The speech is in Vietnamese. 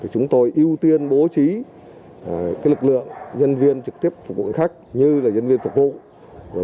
chúng tôi ưu tiên bố trí lực lượng nhân viên trực tiếp phục vụ khách như nhân viên phục vụ